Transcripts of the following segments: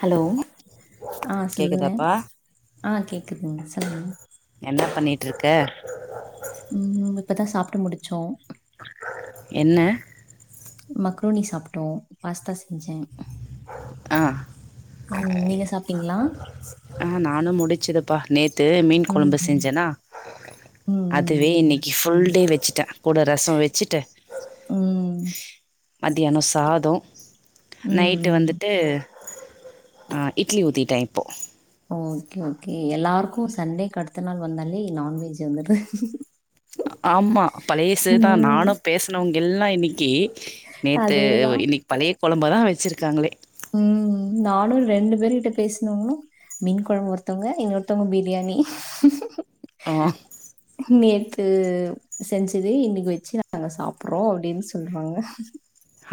Hello, ஆ சொல்லுங்க, கேக்குதாப்பா ஆ கேக்குதுங்க சொல்லுங்க என்ன பண்ணிட்டு இருக்க? ம், இப்பதா சாப்ட்டு முடிச்சோ என்ன மக்ரோனி சாப்ட்டோ, பாஸ்தா செஞ்சே ஆ ம், நீங்க சாப்ட்டீங்களா? ஆ நானு முடிச்சதுப்பா நேத்து மீன் ம் கொழம்பு ம் செஞ்சேனா அதுவே ம் இன்னைக்கி ஃபுல் டே வச்சுட்டே கூட ரசம் வச்சுட்டு ம் மதியானோ சாதோ நைட்டு ம். வந்துட்டு ஆ இட்லி ஊத்திட்ட இப்போ ஓகே ஓகே, எல்லாருக்கு சண்டேக்கடுத்த நாள் வந்தாலே நான்வெஜ் வந்துருது ஆமா, பழையசுதா ம் நானு பேசுனவங்க எல்லா இன்னைக்கி நேத்து அதேதான். இன்னைக்கி பழைய கொழம்பதா வச்சிருக்காங்களே ம், நானு ரெண்டு பேர்கிட்ட பேசுனோ மீன் கொழம்பு ஒருத்தவங்க, இன்னொருத்தவங்க பிரியாணி ஆ நேத்து செஞ்சது இன்னைக்கு வச்சு நாங்க சாப்புட்றோ அப்டின்னு சொல்றாங்க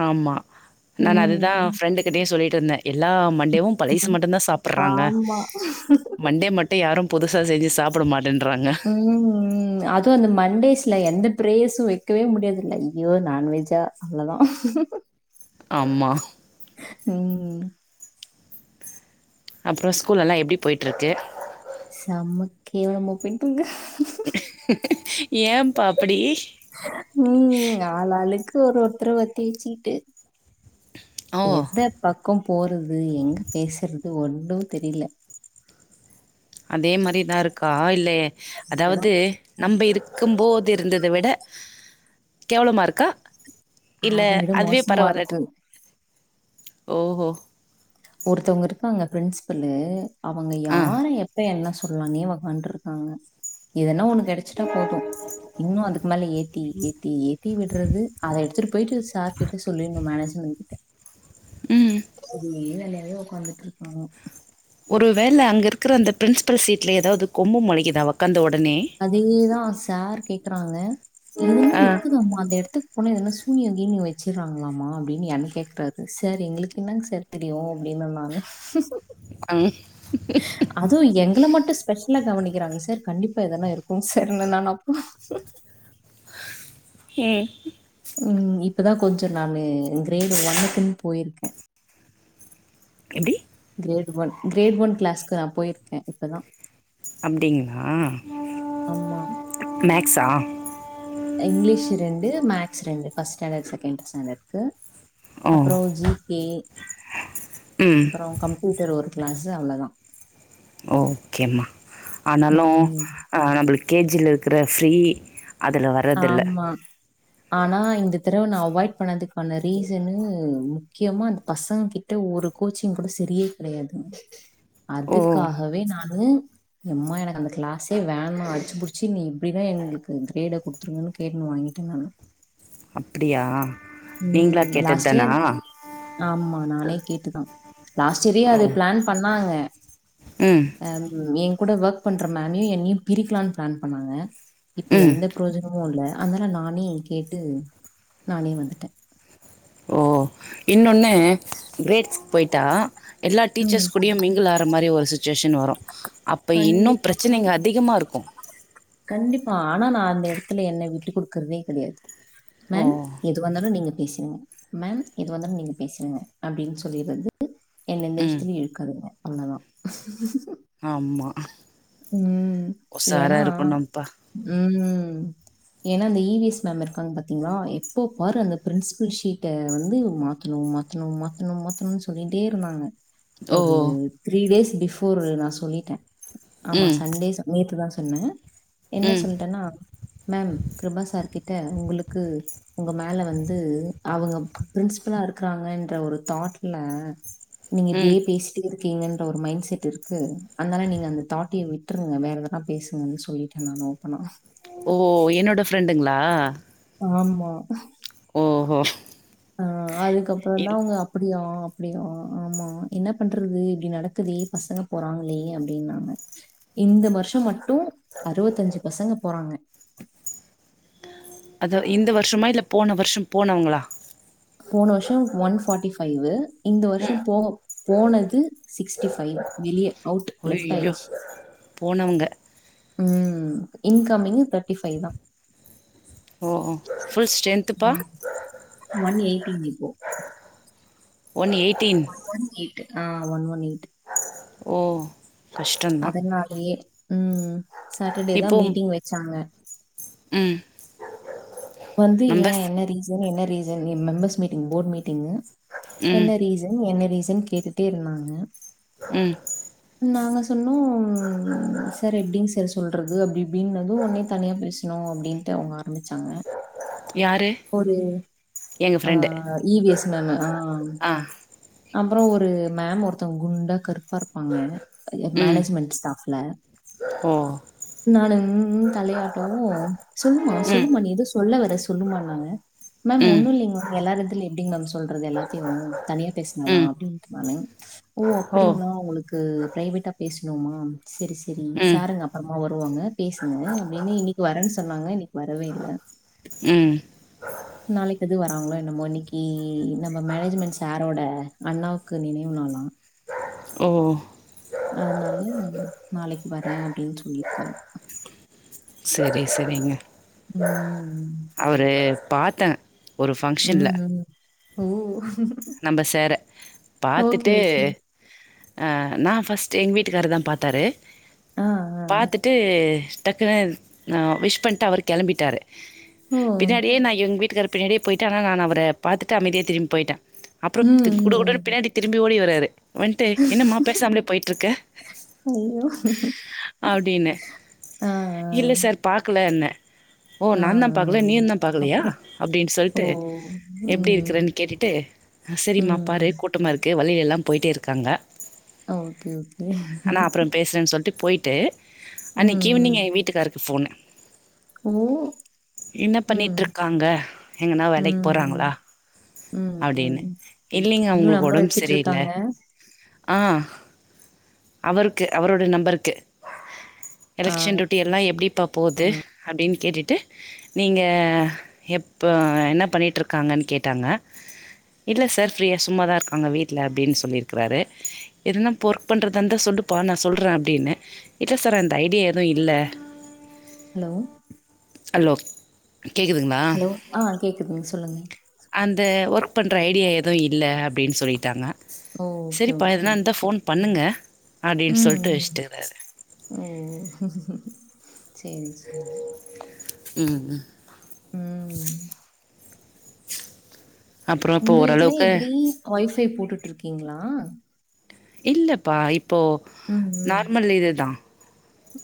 ஆமா நானு அதுதா ம். ஃப்ரெண்டுகிட்டயு சொல்லிட்டு இருந்தே எல்லா மண்டேவு பழசு ம். மட்டுந்தா சாப்புட்றாங்க ஆமா. மண்டே மட்டு யாரு புதுசா செஞ்சு சாப்பிட மாட்டேன்றாங்க ம் ம் அதுவு அந்த மண்டேஸ்ல எந்த பிரேயர்ஸு வெக்கவே முடியாதுல ஐயோ நான்வெஜ்ஜா அவ்ளதா ஆமா ம் ம் அப்றோ ஸ்கூலெல்லா எப்டி போய்ட்ருக்கு செம்ம கேவலம்மா போய்ட்ருக்கு ஏ பா அப்படி ம் ஆலாளுக்கு ஒரு ஒருத்தர வத்தி வச்சிகிட்டு ஓ! எந்த பக்கோ போறது எங்க பேசுறது ஒன்னு தெரியில அதே மாரிதா இருக்கா இல்ல அதாவது அதுதான் நம்ப இருக்குபோது இருந்தத விட கேவலமா இருக்கா இல்ல அத விட அதுவே மோசமா பரவால்லட்ரு இருக்கு. ஒருத்தங்க இருக்காங்க பிரின்ஸ்பல்லு அவுங்க ஆ. யாரு எப்ப என்ன சொ [unintelligible] பன்ட்ருக்காங்க எதனா ஒன்னு கெடச்சிட்டா போது இன்னு அதுக்கு மேல ஏ தி ஏத்தி ஏத்தி விட்றது அத எடுத்துட்டு போயிட்டு சார் கிட்ட சொல்லிர்ன்னு மேனேஜ்மெண் கிட்ட ம் இது [unintelligible] நெறைய ஒக்காந்துட் இருக்காங்க ஒரு வேல அங்க இருக்கற அந்த பிரின்ஸ்பல் சீட்ல எதாவது கொம்பு மொழைகிதா ஒக்காந்த ஒடனே அதேதா சார் கேக்கறாங்க இதுன்னா ஆ. இருக்குதாம்மா அந்த எடத்துக் போனா எதுனா சூனியோ கீன்யோ வச்சுறாங்ளாமா அப்டின் என்ன கேக்றாரு சார் எங்களுக்கு என்னாங் சார் தெரியு அப்டின்ன நானு அங் அதுவு எங்கள மட்டு ஸ்பெஷ்லா கவனிக்கிறாங்க சார் கண்டிப்பா இதெல்லா இருக்கு சார் நானா நா அப்பு செர் ம் ம் இப்பதா கொஞ்ச நானு கிரேடு ஒன்னுக்குன் போய்ருக்கே எப்டி கிரேட் ஒன் கிரேட் ஒன் கிளாக்கு நா போய்ருக்கே இப்பதா அப்டிங்ளா ஆமா. மேக்ஸா இங்கிலீஷ் ரெண்டு மேக்ஸ் ரெண்டு ஃபஸ்ட் ஸ்டாண்டட் செகண்ட் ஸ்டாண்டட்கு ஓ! அப்புறோ ஜி கே ம். அப்புறோ கம்ப்யூட்டர் ஒரு கிளாஸு அவ்ளோதா ஓகேம்மா ஆனாலு ம். அ நம்பளுக் கேஜில இருக்கற ஃப்ரீ அதுல வர ஆமா ஆனா இந்த தரவ நா அவாய்ட் பண்ணதுக்கான ரீசனு முக்கியமா அந்த பசங் கிட் ட ஒரு கோச்சிங் கூட செரியே கெடையாதுங் ஓ! அதுக்காகவே நானு எம்மா எனக்கு அந்த கிளாஸே வேனா அடிச்சி புடிச்சி நீ எப்டின்னா எங்களுக்கு கிரேட குடுத் ரு கேட்டுன் வாங்கிட்ட நானு அப்டியா நீங்ளா ம் கேட்டத் லாஸ்ட் தானா ஆமா நானே கேட்டுதா லாஸ்ட் இயரே ஓ! அது பிளான் பண்ணாங்க ம் அ ம் எ கூட ஒர்க் பண்ற மேம்யு என்னியு பிரிக்கலான் பிளான் பண்ணாங்க இப்ப ம். எந்த புரோஜனமு இல்ல அதுனால நானே கேட்டு நானே வந்துட்டே ஓ இன்னொன்னு கிரேட்ஸ்க்கு போயிட்டா எல்லா ம். டீச்சர்ஸ் கூடையு மிங் கில் ஆற மாரி ஒரு சுச்சுவேஷன் வரு அப்ப இன்னு கண்டிப்பா, பிரச்சனைங்க அதிகமா இருக்கு கண்டிப்பா ஆனா நா அந்த எடத்துல என்ன விட்டுக்டுக்குறதே கெடையாது ஓ! மேம் எதுவா இருந்தாலு நீங்க பேசிருங்க மேம் எதுவா இருந்தாலு நீங்க பேசிருங்க அப்டின்னு சொல்லிறது என்ன எந்த ம். விஷியத்திலியு இலுக்காதிங்க அல்லதா ஆமா உசாரா ஏன்னா இருக்குனுப்பா ம் ஏனா அந்த இ வி எஸ் மேம் இருக்காங்க பாத்தீங்களா எப்ப பாரு அந்த பிரின்சிபல் ஷீட்ட வந்து மாத்துணு மாத் மாத்தணு மாத்தணு மாத்தணுனு சொல்லிட்டே இருந்தாங்க ஓ! ஒரு த்ரீ டேஸ் பிஃபோர் நா சொல்லிட்டே ஆமா ம். சண்டே ச நேத்துதா சொன்னே என்ன ம். சொல்ட்டன்னா மேம் கிருபா சார் கிட்ட உங்களுக்கு உங்க மேல வந்து அவுங்க பிரின்ஸ்பலா இருக்கிறாங்கன்ற ஒரு தாட்ல நீங்க ம். இப்டியே பேசி ட்டே இருக்கீங்க என்ற ஒரு மைண்ட் செட் இருக்கு அதனால நீங் அந்த தாட்டியே விட்டுருங்க வேற எதென்னா பேசுங்கன்னு சொல்லிட்டே நா ஓப்பனா ஓ என்னோட ஃப்ரெண்டுங்ளா ஆமா ஓஹோ ஆ அதுக்கப்றோ தா இல் அவுங்க அப்டியா அப்டியா ஆமா என்ன பண்றது இப்டி நடக்குதே பசங்க போறாங்களே அப்டின்னாங்க இந்த வருஷோ மட்டு அறுவத்தஞ்சு பசங்க போறாங்க அது இந்த வருஷோமா இல்ல போன வருஷோ போனவங்களா போன வருஷோ ஒன் ஃபோர்ட்டி ஃபைவ்வு இந்த வருஷோ போக போனது சிக்ஸ்டி ஃபைவ் வெளிய அவுட் லெஃப்ட் ஐயோ ஆயிடுச்சு போனவங்க ம் இன்கமிங் தேர்ட்டி ஃபைவ் தா ஓ ஃபுல் ஸ்ட்ரென்துப்பா ஒன் எயிட்டீன் இப்போ ஒன் எயிட் ஒன் எயிட் ஆ ஒன் ஒன் எயிட் ஓ கஷ்டந்தா அதனாலயே ம் சாட்டர்டே தா இப்போ மீட்டிங் வச்சாங்க ம் வந்து ஏ மெம்பர்ஸ் என்ன ரீசன் என்ன reason members meeting board meeting என்ன ம் ரீசன் என்ன ரீசன் கேட்டுட்டே இருந்தாங்க ம் நாங்க சொன்னோ சார் எப்டிங் சார் சொல்றது அப்டி இப்டினது ஒன்னே தனியா பேசணு அப்டின் த்த அவுங்க ஆரம்பமிச்சாங்க யார் ஒரு ஆ இ வி எஸ் மேம்மு ஆ ஆ அப்றோ ஒரு மேம் ஒருத்தவங்க குண்டா கருப்பா இருப்பாங்க ம் மேனேஜ்மெண்ட் ஸ்டாஃப்ல ஓ நானு ம் ம் தலையாட்டோவு சொல்லுமா ம் சொல்லுமா நீ ஏதோ சொல்ல வர சொல்லும நாங்க மேம் ம் ஒண்ணு இல்லிங் மேம் எல்லா இடதிலு எப்டிங் மேம் சொல்றது எல்லாத்தையு தனியா பேச சொன்ன ம் அப்படின்னுட்டு நானு [unintelligible] ஓ அப்டிங்களா உங்களுக்கு பிரவேட்டா பேசணுமா செரி செரி ம் சாருங்க அப்பறமா வருவாங்க பேசுங்க அப்டின்னு இன்னைக் வரேன்னு சொன்னாங்க இன்னைக்கு வரவே இல்ல ம் நாளைக்கு எது வராங்களோ என்னமோ இன்னைக்கு நம்ம மேனேஜ்மெண்ட் சாரோட அண்ணாவுக்கு நினைவு நாளா ஓ அதனால நாளைக்கு வரே அப்டின்னு சொல்லியிருக்காரு செரி செரிங்க ம் அவரு பார்த்தே ம் ம் ஓ நம்ம சேர ஓகே பாத்துட்டு ஓகே நா ஃபர்ஸ்ட் எங்க வீட்டுக்காரர் தா பாத்தாரு ஆ ஆ. பாத்துட்டு டக்கு விஷ் பண்ணிட்டு அவர் கிளம்பிட்டாரு ஓ பின்னாடியே நா எங்க வீட்டுக்காரரு பின்னாடியே போயிட்டே ஆன நான் அவர பாத்திட்டு அமைதியா திரும்பி போயிட்ட அப்றோ ம் குடு குடன்னு ம். பின்னாடி திரும்பி ஓடி வராரு வந்துட்டு என்னம்மா பேசாமலே போயிட்டு இருக்க அய்யோ ஆ இல்லை சார் பார்க்கல என்ன ஓ ஆ ஆ. நா தா பாக்கல நீயு தா பாக்கலயா அப்புறம் அப்டின்னு ஓ சொல்ட்டு எப்டி ம் இருக்கறேன்னு கேட்டுட்டு செரிம்மா ம் பாரு கூட்டமா இருக்கு வழியில எல்லா போயிட்டே இருக்காங்க ஓகே, ஓகே. ஆனா அப்பறோ பேசுறேன்னு சொல்ட்டு போயிட்டு ம், அன்னக்கி ம். ஈவினிங் எ வீட்டுக்காருக்கு ஃபோன் ஓ! என்ன பண்ணிட்டு ம், இருக்காங்க எங்கன்னா வேலைக்கு போறாங்களா ம், ம், அப்டின்னு ம். இல்லைங்க இன்னும் அவுங்ககளுக்கு நம்பர் ஒடம்பு சரியில்ல வச்சுட்டுருக்காங்க. ஆ அவருக்கு அவருடைய நம்பருக்கு ஆ எலெக்க்ஷன் டியூட்டி எல்லா எப்டிப்பா போகுது அப்டின்னு கேட்டிட்டு நீங்கா எப்போ என்ன பண்ணிட்டுருக்காங்கன்னு கேட்டாங்க இல்லை சார் ஃப்ரீயா சும்மாாதா இருக்காங்க வீட்ல அப்டின்னு சொல்லியிருக்கிறாரு எதுனா ஒர்க் பண்றதா இருந்தா சொல்லுப்பா நா சொல்றே அப்டின்னு இல்ல சார் அந்த ஐடியா எதுவு இல்ல [inaudible] ஹலோ ஹலோ கேக்குதுங்களா ஹலோ. ஆ கேக்குது சொல்லுங்க இது ஒர்க் பண்றா ஐடியா எது இல்ல அப்டின்னு சொல்லிடாங்க ஓ! ஓகே, செரிப்பா ஓகே. எதுனா இருந்தா ஃபோன் பண்ணுங்க அப்டின்னு ம் சொல்ட்டு வச்சுட்டுக்கிறாரு ஓ செரி செரி ம் ம் ம். அப்புறோ இப்போ உங்க வீட்ல ஓரளவுக்கு எப்டி ஒய்ஃபை போட்டுட்டு இருக்கீங்களா இல்லப்பா இப்போ ம், ம். நார்மல் இது தா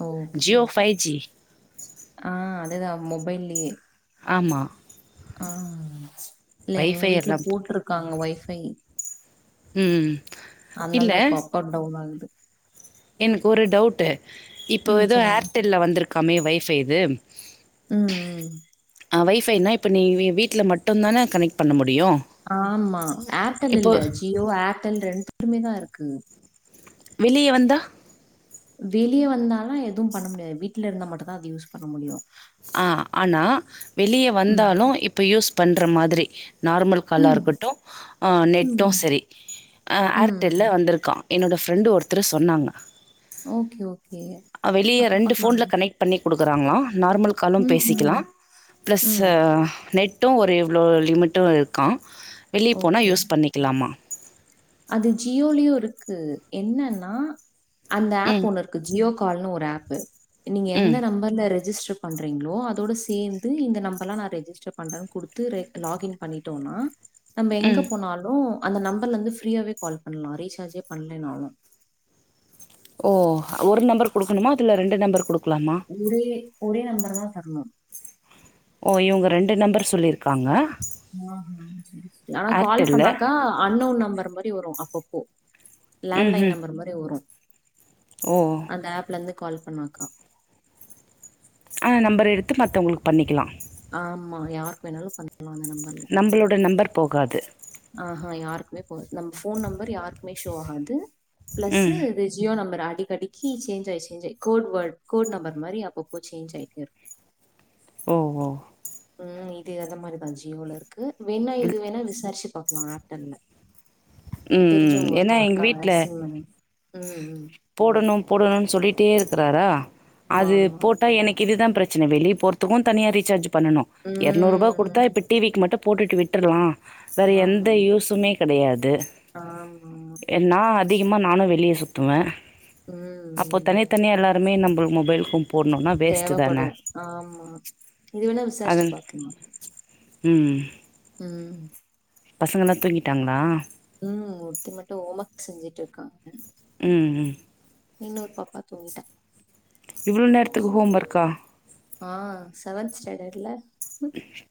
ஓகே. ஜியோ சரி, சரி. ஃபைஜி ஆ அதுதா மொபைல்லயே ஆமா ஆ இல்ல எங்க வைஃபை வீட்ல எல்லா போட்ல போட்ருக் காங்க ஒய்பைய் ம் இல்ல அதுனால்ல இப்போ அப்பன் டவுன் ஆகுது எனக்கு ஒரு டவுட்டு இப்போ ம் ஏதோ சொல்லுங்க. ஏர்டெல்ல வந்திருக்காமே வைஃபை இது ம் ம் ஆ வைஃபைனா இப்ப நீங் நீ வீட்ல மட்டும் தானே கனெக்ட் பண்ண முடியு ஆமா ஏர்டல் இல்ல இப்போ ஜியோ ஏர்டெல் ரெண்டுமே தா இருக்கு வெளிய வந்தா வெளிய வந்தாலு எதுவு பண்ண முடியாது வீட்ல இருந்தா மட்டுந்தா அது யூஸ் பண்ண முடியு ஆ ஆனா வெளிய ம் வந்தாலு இப்ப யூஸ் பண்ற மாரி நார்மல் காலா ம் இருக்கட்டு அ ம் நெட்டு ம் சரி ஏர்டெல்லா ம் வந்திருக்கா என்னோட ஃப்ரெண்டு ஒருத்தரு சொன்னாங்க ஓகே ஓகே அ வெளிய அப்ப ரெண்டு பார்க்கலாம் போஃன்ல கனெக்ட் பண்ணி குடுக்குறாங்களா நார்மல் காலு ம் ம் பேசிக்கலா ப்ளஸ்ஸூ ம் நெட் டு ஒரு இவ்ளோ லிமிட்டு இருக்கா வெளிய போனா ஓகே யூஸ் பண்ணிக்கலாமா அது ஜியோலயு இருக்கு என்னன்னா அந்த ஆப் ம். ஒன்னு இருக் கு ஜியோ கால்னு ஒரு ஆப்பு நீங்க எந்த ம். நம்பர்ல ரெஜிஸ்டர் பண்றீங்களோ அதோட சேர்ந்து இந்த நம்பர்லா நா ரெஜிஸ்டர் பண்றேன்னு குடுத்து ரெக் லகின் பண்ணிட்டோன்னா நம்ம எங்க ம். போனாலு அந்த நம்பர்ல இருந்து ஃப்ரீயாவே கால் பண்லா ரீசார்ஜே பண்லேனாலு ஓ ஒரு நம்பர் குடுக்கணுமா அதுல ரெண்டு நம்பர் குடுக்லாமா ஒரே ஒரே நம்பர் தா தரணு ஓ இவுங்க ரெண்டு நம்பர் சொல்லியிருக்காங்க ஆனா கால் ஏர்டெல்ல. பண்ணாக்கா அன்னோன் நம்பர் மாரி வரு அப்பப்போ லேண்ட்லைன் ம்ஹ்ம் நம்பர் மாரி வரு ஓ அந்த ஆப்ல இருந்து கால் பண்ணாக்கா ஆ நம்பர் எடுத்து மத்தவங்களுக் பண்ணிக்கலா ஆமா யாருக் வேணாலு பண்லா அந்த நம்ப நம்ளோட நம்பர் போகா ஆஹா யாருக்குமே போவாது நம்ம போன் நம்பர் யாருக்குமே ஷோ ஆகாது ப்ளஸ்ஸூ ம் ஜியோ நம்பர் அடிக்கடிக்கு சேஞ்ச் ஆயி சேஞ்ச் ஆயி கோர்ட் வேர்டு கோ் நம்பர் மாரி அப்பப்போ சேஞ்ச் ஆயிட்டே இருக்கு ஓஹோ ம் இது அந்த மாரிதா ஜியோல இருக்கு வேணா இது இல் வேணா விசாரிச்சு பாக்லா தெர்ல ம் தெரிஞ்சவங்க ஏன்னா ஒருத்தவங்க எங்க இருக்காங்க வீட்ல சிம்முனு ம் ம் போடணு போடணுனு சொல்லிட்டே இருக்றாரா அது ஆமா போட்டா எனக்கு இதுதா பிரச் சினை வெளிய போறதுக்கு தனியா ரீசார்ஜ் பண்ணணு ஆமா இரநூற் ரூபா ம் குடுத்தா ம். இப்ப டிவிக்கு மட்டு போட்டுட்டு விட்டுர்லா வேற ஆமா எந்த ஆமா யூசுமே கெடயாது ஆமா என் நா அதிகமா நானு வெளிய சுத்துவே அப்போ ம் தனி தனியா எல்லாருமே நம்ப மொபைலுக்கு போட்ணுனா தேவைப்படு ஆமா இது வேணா விசாரிச்சு அது பாக்கலா ம் ம் பசங்கல்லா தூங்கிட்டாங்களா ம் ஒருத்தி மட்டு ஓம் ஒர்க் செஞ்சுட்டு இருக்காங்க ம் ம் இன்னொரு பாப்பா தூங்கிட்டா இவ்ளோ நேரத்துக்கு ஹோம் ஒர்க்கா ஆ செவன்த் ஸ்டாண்டர்ட்ல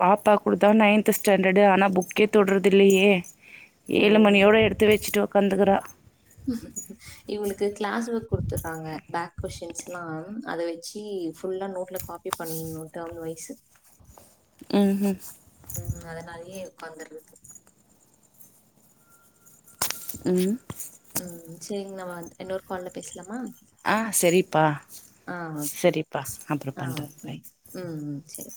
பாப்பா கூடதா நைன்த் ஸ்டாண்டர்டு ஆனா புக்கே தொட்றது இல்லயே ஏழு ஓ மணியோட எடுத்து வச்சுட்டு உக்காந்துக்கிற ம் இவங்களுக்கு கிளாஸ் ஒர்க் குடுத்துட்றாங்க பேக் கொஸின்ஸ்க்லா அத வச்சு ஃபுல்லா நோட்ல காப்பி பண்ணிட்னு டேர்ம் வய்ஸ் ம்ஹூம் ம் அதனாலயே உக்காந்துருக் ம் ம், சேரிங்க நம்ம இன்னொரு கால்ல பேசலாமா ஆ செரிப்பா, ஆ ஓகே. செரிப்பா, அப்பறோ ஆ பண்ற ஓகே. பாய். ம், சேரி.